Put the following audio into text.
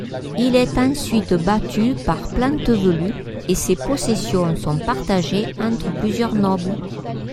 Il est ensuite battu par Plantevelue et ses possessions sont partagées entre plusieurs nobles.